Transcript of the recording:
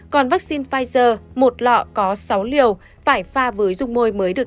còn vaccine pfizer một lọ có sáu liều phải pha với dung môi mới được